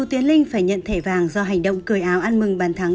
dù tiến linh phải nhận thẻ vàng do hành động cười áo ăn mừng bàn thắng